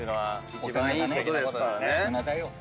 一番いいことですからね。